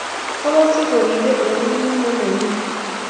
Kwakase koriri eng roomit ne nnenyin